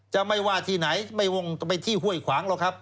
จะไม่ว่าที่ไหนไม่วงไปที่ห้วยขวางหรอกครับ